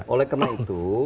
oleh karena itu